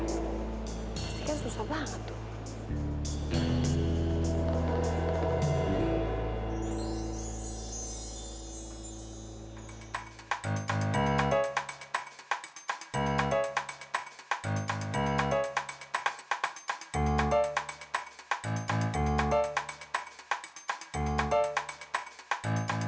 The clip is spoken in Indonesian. pasti kan susah banget tuh